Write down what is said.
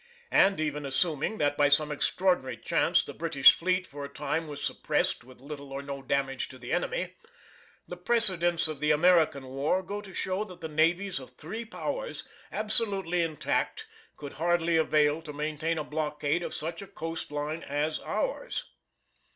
And even assuming that by some extraordinary chance the British fleet for a time was suppressed with little or no damage to the enemy, the precedents of the American war go to show that the navies of three Powers absolutely intact could hardly avail to maintain a blockade of such a coast line as ours.